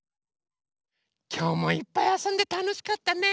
きょうもいっぱいあそんでたのしかったね。